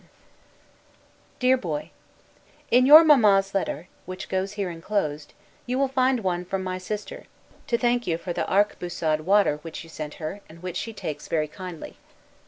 1747 DEAR BOY: In your Mamma's letter, which goes here inclosed, you will find one from my sister, to thank you for the Arquebusade water which you sent her; and which she takes very kindly.